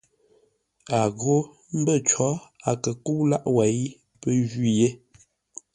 A ghó mbə̂ có a kə kə́u lâʼ wêi, pə́ jwî yé.